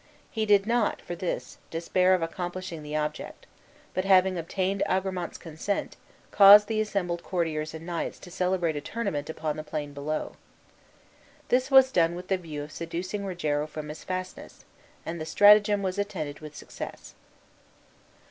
He did not, for this, despair of accomplishing the object; but, having obtained Agramant's consent, caused the assembled courtiers and knights to celebrate a tournament upon the plain below. This was done with the view of seducing Rogero from his fastness, and the stratagem was attended with success.